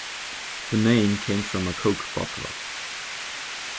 The name came from a Coke bottle.